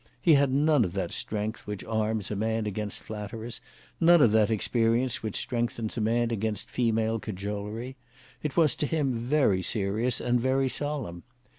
He had none of that strength which arms a man against flatterers; none of that experience which strengthens a man against female cajolery. It was to him very serious and very solemn.